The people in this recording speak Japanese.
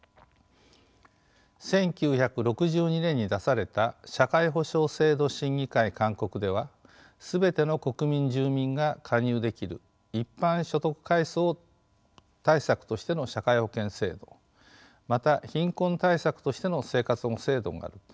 １９６２年に出された社会保障制度審議会勧告では全ての国民・住民が加入できる一般所得階層対策としての社会保険制度また貧困対策としての生活保護制度がある。